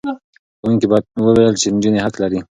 ښوونکي وویل چې نجونې حق لري.